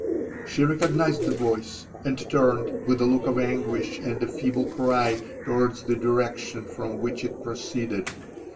She recognized the voice, and turned, with a look of anguish and a feeble cry, towards the direction from which it proceeded.